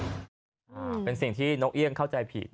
อ่าเป็นสิ่งที่นกเอี่ยงเข้าใจผิด